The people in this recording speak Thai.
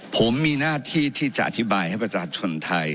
ผมมีหน้าที่ที่จะอธิบายให้ประชาชนไทย